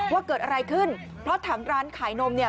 ว่าเกิดอะไรขึ้นเพราะถามร้านขายนมเนี่ย